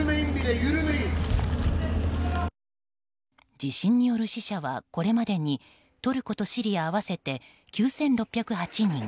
地震による死者はこれまでにトルコとシリア合わせて９６０８人。